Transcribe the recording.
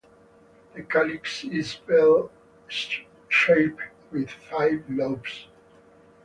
The calyx is bell-shaped with five lobes.